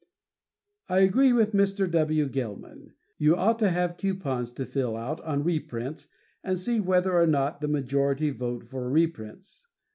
I agree with Mr. W. Gelman. You ought to have coupons to fill out on reprints and see whether or not the majority vote for reprints.